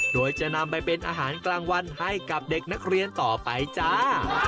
โดยจะนำไปเป็นอาหารกลางวันให้กับเด็กนักเรียนต่อไปจ้า